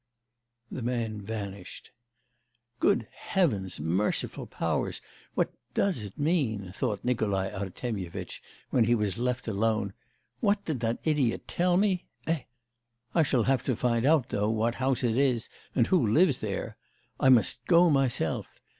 The man vanished. 'Good Heavens, merciful powers! what does it mean?' thought Nikolai Artemyevitch when he was left alone. 'What did that idiot tell me? Eh? I shall have to find out, though, what house it is, and who lives there. I must go myself.